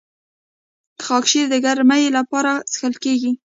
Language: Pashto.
خاکشیر د ګرمۍ لپاره څښل کیږي.